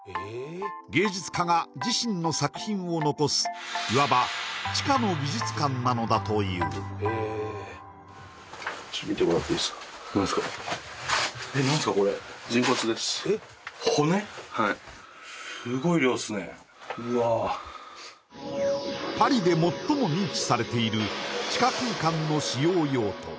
芸術家が自身の作品を残すいわば地下の美術館なのだというパリで最も認知されている地下空間の使用用途